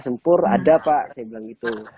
sempur ada pak saya bilang gitu